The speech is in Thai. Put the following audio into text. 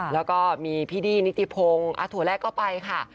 แล้วก็มีพี่ดี้นิติพงศ์ถั่วแรกก็ไปค่ะ